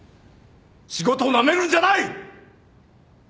仕事をなめるんじゃない！